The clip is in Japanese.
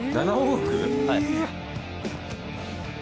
はい。